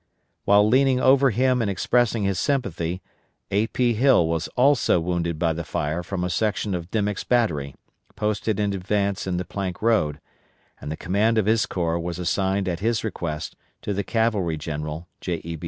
While leaning over him and expressing his sympathy, A. P. Hill was also wounded by the fire from a section of Dimick's battery, posted in advance in the Plank Road,* and the command of his corps was assigned at his request to the cavalry general, J. E.